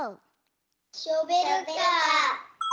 ショベルカー。